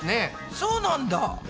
そうなんだ。